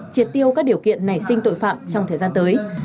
triệt tiêu các điều kiện nảy sinh tội phạm trong thời gian tới